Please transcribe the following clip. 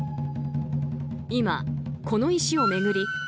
今、この石を巡り